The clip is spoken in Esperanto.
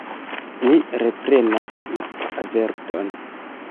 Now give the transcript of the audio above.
Mi reprenas la averton.